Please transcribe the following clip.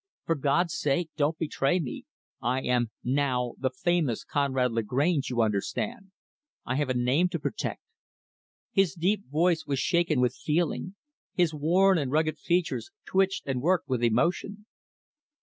"For God's sake don't betray me. I am, now, the famous Conrad Lagrange, you understand. I have a name to protect." His deep voice was shaken with feeling. His worn and rugged features twitched and worked with emotion.